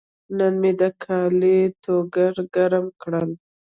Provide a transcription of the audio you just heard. نن مې د کالي ټوکر ګرم کړل.